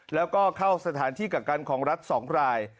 แล้วก็เข้าสถานที่กักกันของรัฐ๒ราย